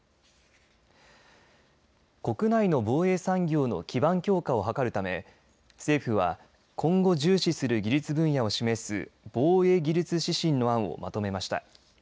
国内の防衛産業の基盤強化を図るため政府は今後重視する技術分野を示す防衛技術指針の案をまとめました。